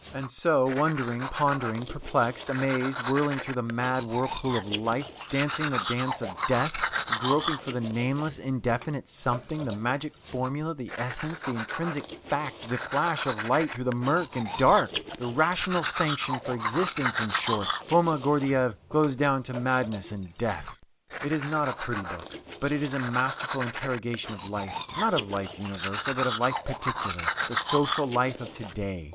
And so, wondering, pondering, perplexed, amazed, whirling through the mad whirlpool of life, dancing the dance of death, groping for the nameless, indefinite something, the magic formula, the essence, the intrinsic fact, the flash of light through the murk and dark the rational sanction for existence, in short Foma Gordyeeff goes down to madness and death. It is not a pretty book, but it is a masterful interrogation of life not of life universal, but of life particular, the social life of to day.